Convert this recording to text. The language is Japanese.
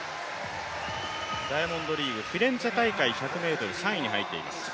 ダイヤモンドリーグ、フィレンチェ大会１００ｍ、３位に入っています。